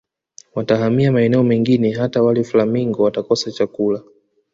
Watahamia maeneo mengine hata wale flamingo watakosa chakula